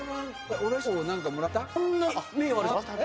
俺賞何かもらった？